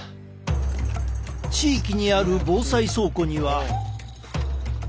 地域にある防災倉庫には。